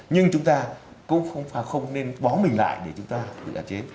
nhưng chúng ta cũng không nên bó mình lại để chúng ta tự đả chế